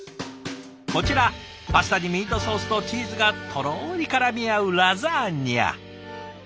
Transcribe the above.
こちらパスタにミートソースとチーズがとろりからみ合うラザニア。